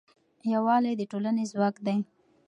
یووالی د ټولنې ځواک دی.